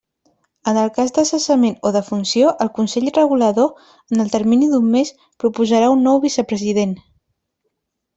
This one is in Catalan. En el cas de cessament o defunció, el consell regulador, en el termini d'un mes, proposarà un nou vicepresident.